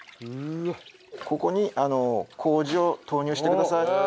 ここに麹を投入してください。